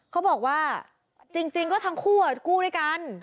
เขาบอกว่าจริงก็ทั้งคู่กู้ด้วยกัน